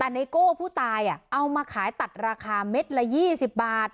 แต่ไนโก้ผู้ตายเอามาขายตัดราคาเม็ดละ๒๐บาท